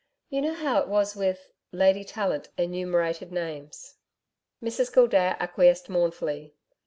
You know how it was with....' Lady Tallant enumerted names. Mrs Gildea acquiesced mournfully.